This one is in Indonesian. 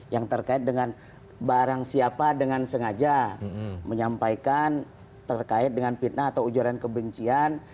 yang terkait dengan barang siapa dengan sengaja menyampaikan terkait dengan fitnah atau ujaran kebencian